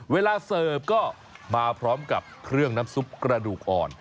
เสิร์ฟก็มาพร้อมกับเครื่องน้ำซุปกระดูกอ่อน